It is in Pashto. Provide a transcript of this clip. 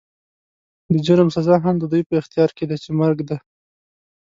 د جرم سزا هم د دوی په اختيار کې ده چې مرګ دی.